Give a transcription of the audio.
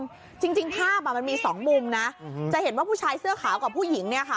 จริงจริงภาพอ่ะมันมีสองมุมนะจะเห็นว่าผู้ชายเสื้อขาวกับผู้หญิงเนี่ยค่ะ